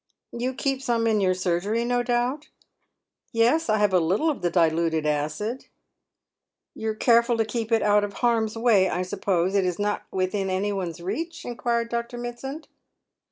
You keep some in your surgery, no doubt ?"" Yes, I have a little of the diluted acid." "You are careful to keep it out of harm's way, I suppose. It ia not within any one's reach ?" inquired Dr. Mitsand.